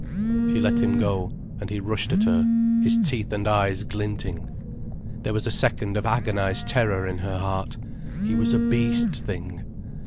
She let him go, and he rushed at her, his teeth and eyes glinting. There was a second of agonized terror in her heart: he was a beast thing.